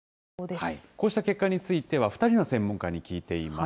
こうした結果については、２人の専門家に聞いています。